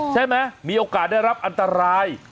ใช่ไหมมีโอกาสได้รับอันตราย